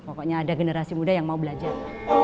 pokoknya ada generasi muda yang mau belajar